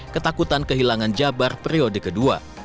ketakutan kehilangan jabar periode kedua